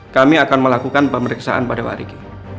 kami akan melakukan pemeriksaan pada pak rik